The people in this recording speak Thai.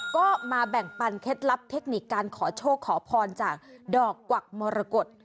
ก็มาแบ่งปันเคล็ดลับเทคนิคการขอโชคขอพรจากดอกกวักมรกฏ